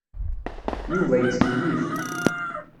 Yuba yettkeyyif.